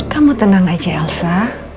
kamu tenang aja elsa